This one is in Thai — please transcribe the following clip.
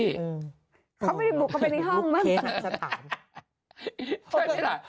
เขาไม่ได้บุกเขาไปในห้องมั้ง